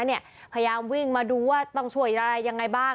พยายามวิ่งมาดูว่าต้องช่วยอะไรยังไงบ้าง